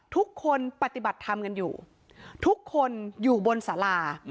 ทุกคนปฏิบัติทำกันอยู่ทุกคนอยู่บนสลา